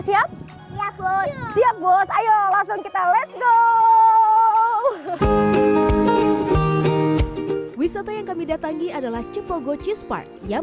siap siap bos ayo langsung kita let's go wisata yang kami datangi adalah cipogo cheese park yang